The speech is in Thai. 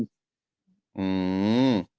อืม